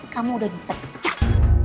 kamu udah dipecat